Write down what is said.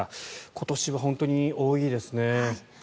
今年は本当に多いですね。